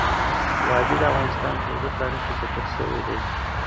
وادي د افغانستان په اوږده تاریخ کې ذکر شوی دی.